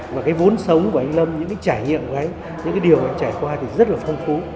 và cái vốn sống của anh lâm những cái trải nghiệm của anh những cái điều anh trải qua thì rất là phong phú